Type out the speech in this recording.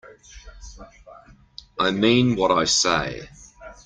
I mean what I say.